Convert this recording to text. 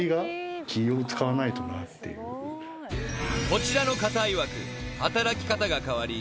［こちらの方いわく働き方が変わり